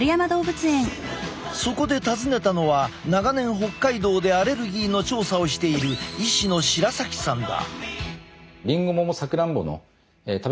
そこで訪ねたのは長年北海道でアレルギーの調査をしている医師の白崎さんだ。